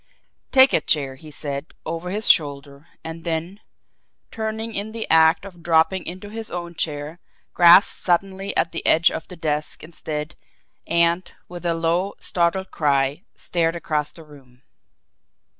"Take a chair," he said, over his shoulder and then, turning in the act of dropping into his own chair, grasped suddenly at the edge of the desk instead, and, with a low, startled cry, stared across the room.